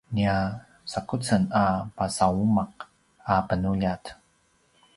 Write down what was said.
nia sakucen a pasauma’ a penuljat